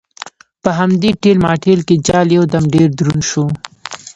په همدې ټېل ماټېل کې جال یو دم ډېر دروند شو.